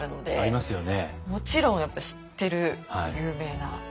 もちろんやっぱ知ってる有名な。